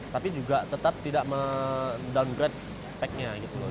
tapi juga tetap tidak men downgrade speknya gitu loh